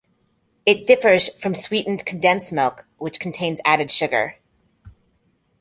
It differs from sweetened condensed milk, which contains added sugar.